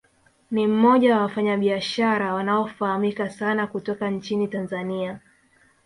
Ni mmoja wa wafanyabiashara wanaofahamika sana kutoka nchini Tanzania